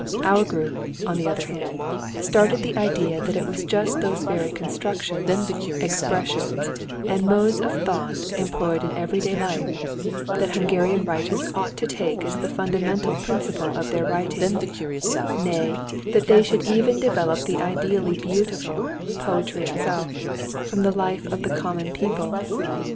Our group, on the other hand, started the idea that it was just those very constructions, expressions, and modes of thought employed in every day life that Hungarian writers ought to take as the fundamental principle of their writing; nay, that they should even develop the ideally beautiful, poetry itself, from the life of the common people....